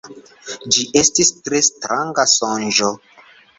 Ĝi estis tre stranga sonĝo.